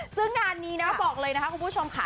ซึ่งงานนี้นะบอกเลยนะคะคุณผู้ชมค่ะ